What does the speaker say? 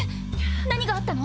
何があったの？